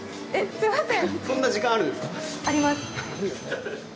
すいません。